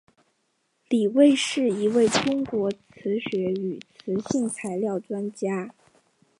李卫是一位中国磁学与磁性材料专家。